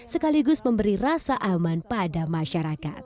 sekaligus memberi rasa aman pada masyarakat